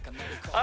あ